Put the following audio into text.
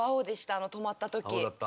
あの止まった時。